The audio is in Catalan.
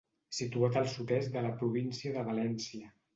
Situat al sud-est de la província de València.